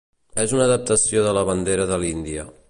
És una adaptació de la bandera de l'Índia.